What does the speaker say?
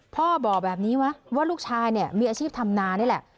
พ่อบอกแบบนี้ว่าลูกชายเนี่ยมีอาชีพทำนานี่แหละ